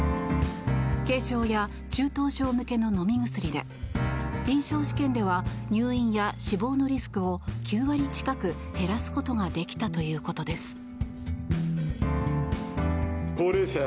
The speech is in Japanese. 軽症や中等症向けの飲み薬で臨床試験では入院や死亡のリスクを９割近く減らすことができたということです。